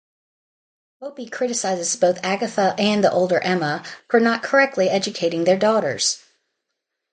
Opie criticizes both Agatha and the older Emma for not correctly educating their daughters.